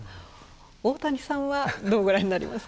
大谷さんはどうご覧になりますか？